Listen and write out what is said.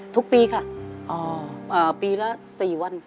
ทุกปีค่ะปีละ๔วัน